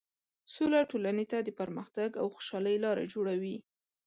سوله ټولنې ته د پرمختګ او خوشحالۍ لاره جوړوي.